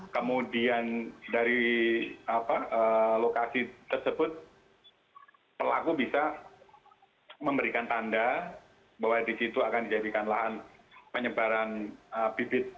kemudian dari lokasi tersebut pelaku bisa memberikan tanda bahwa di situ akan dijadikan lahan penyebaran bibit